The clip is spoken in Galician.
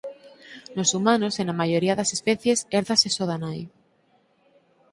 Nos humanos e na maioría das especies hérdase só da nai.